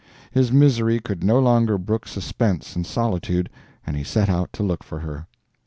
His misery could no longer brook suspense and solitude, and he set out to look for her.